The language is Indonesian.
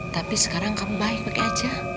tapi sekarang kamu baik baik aja